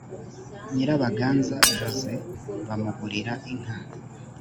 nyirabaganza jose bamugurira inka.